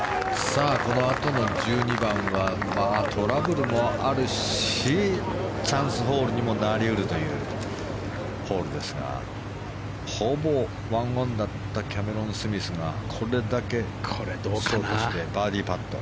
このあとの１２番はトラブルもあるしチャンスホールにもなり得るというホールですがほぼ１オンだったキャメロン・スミスがこれだけショートしてバーディーパット。